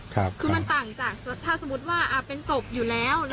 คือมันต่างจากถ้าสมมุติว่าเป็นศพอยู่แล้ว